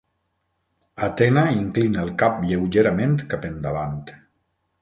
Atena inclina el cap lleugerament cap endavant.